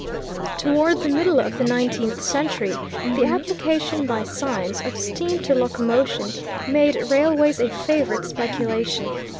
Toward the middle of the nineteenth century, the application, by science, of steam to locomotion, made railways a favorite speculation.